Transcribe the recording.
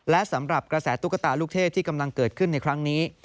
และสำหรับกระแสตุ๊กตาลูกเทพที่กำลังเกิดขึ้นในครั้งนี้